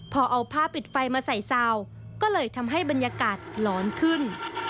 พอเอาผ้าปิดไฟมาใส่ซาวก็เลยทำให้บรรยากาศร้อนขึ้น